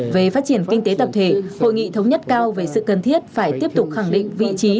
về phát triển kinh tế tập thể hội nghị thống nhất cao về sự cần thiết phải tiếp tục khẳng định vị trí